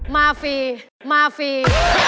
มาฟีย์มาฟีย์